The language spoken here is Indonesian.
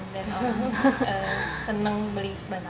dan orang lain juga